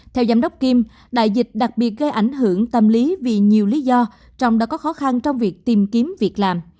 theo giám đốc kim đại dịch đặc biệt gây ảnh hưởng tâm lý vì nhiều lý do trong đó có khó khăn trong việc tìm kiếm việc làm